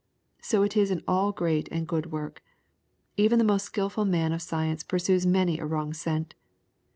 So it is in all great and good work. Even the most skilful man of science pursues many a wrong scent.